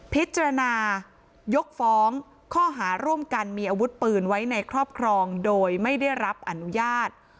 พิจารณายกฟ้องข้อหาร่วมกันมีอาวุธปืนไว้ในครอบครองโดยไม่ได้รับอนุญาต